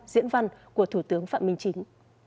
diễn văn của thủ tướng phạm minh chính